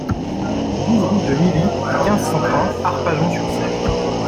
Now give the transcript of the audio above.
douze route de Milly, quinze, cent trente, Arpajon-sur-Cère